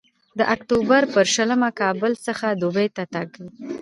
د اکتوبر پر شلمه کابل څخه دوبۍ ته تګ و.